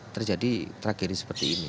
terjadi tragedi seperti ini